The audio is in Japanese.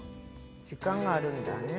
時間があるんだね。